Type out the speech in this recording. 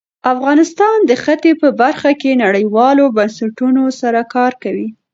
افغانستان د ښتې په برخه کې نړیوالو بنسټونو سره کار کوي.